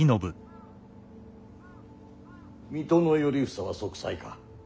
水戸の頼房は息災か？